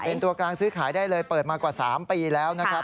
เป็นตัวกลางซื้อขายได้เลยเปิดมากว่า๓ปีแล้วนะครับ